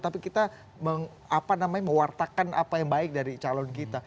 tapi kita mewartakan apa yang baik dari calon kita